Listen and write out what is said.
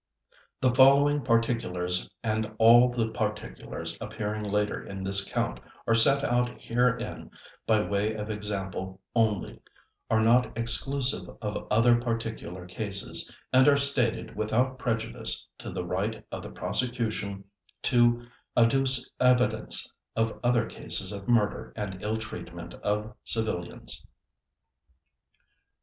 The following particulars and all the particulars appearing later in this count are set out herein by way of example only, are not exclusive of other particular cases, and are stated without prejudice to the right of the Prosecution to adduce evidence of other cases of murder and ill treatment of civilians.